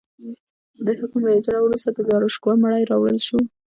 د حکم له اجرا وروسته د داراشکوه مړی راوړل شو.